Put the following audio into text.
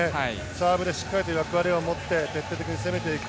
サーブでしっかり役割を持って徹底的に攻めていく。